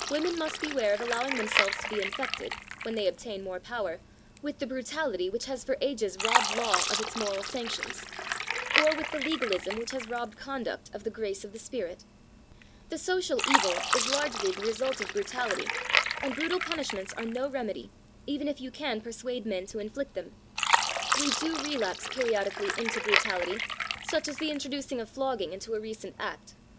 Women must beware of allowing themselves to be infected, when they obtain more power, with the brutality which has for ages robbed law of its moral sanctions, or with the legalism which has robbed conduct of the grace of the spirit. The social evil is largely the result of brutality, and brutal punishments are no remedy, even if you can persuade men to inflict them. We do relapse periodically into brutality, such as the introducing of flogging into a recent Act.